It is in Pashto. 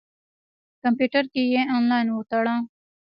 کمپیوټر کې یې انلاین وتله.